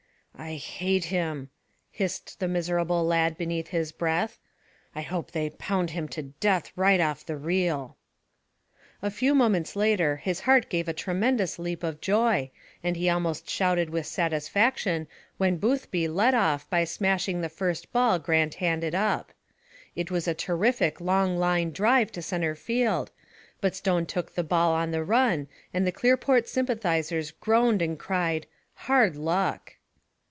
"I hate him!" hissed the miserable lad beneath his breath. "I hope they pound him to death right off the reel." A few moments later his heart gave a tremendous leap of joy, and he almost shouted with satisfaction when Boothby led off by smashing the first ball Grant handed up. It was a terrific long line drive to center field, but Stone took the ball on the run, and the Clearport sympathizers groaned and cried, "Hard luck!"